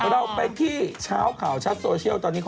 เราไปที่ช้าวข่าวชัดโซเชียล